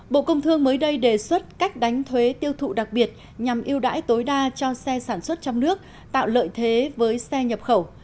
bộ công thương mới đây đề xuất cách đánh thuế tiêu thụ đặc biệt nhằm yêu đãi tối đa cho xe sản xuất trong nước tạo lợi thế với xe nhập khẩu